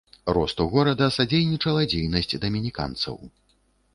Росту горада садзейнічала дзейнасць дамініканцаў.